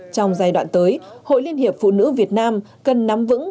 trong giai đoạn tới hội liên hiệp phụ nữ việt nam cần nắm vững